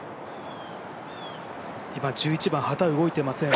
今、１１番、旗、動いてません。